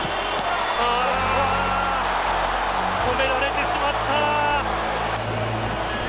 止められてしまった。